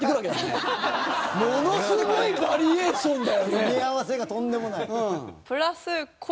組み合わせがとんでもない。